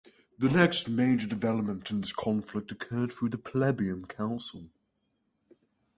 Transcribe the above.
The next major development in this conflict occurred through the Plebeian Council.